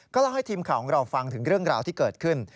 เล่าให้ทีมข่าวของเราฟังถึงเรื่องราวที่เกิดขึ้น